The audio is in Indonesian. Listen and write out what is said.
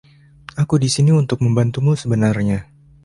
Aku di sini untuk membantumu sebenarnya.